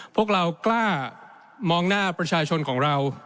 พวกเรากล้ามองหน้าประชาชนของเรา